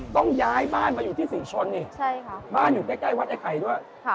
ต้องย้ายบ้านมาอยู่ที่ศรีชนนี่บ้านอยู่ใกล้วัดไอ้ไข่ด้วย